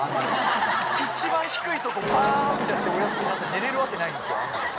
寝れるわけないんすよ。